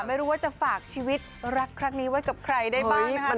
ไม่รู้ว่าจะฝากชีวิตรักครั้งนี้ไว้กับใครได้บ้างนะครับ